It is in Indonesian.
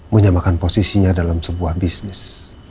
menyamakan posisinya dalam sebuah bisnis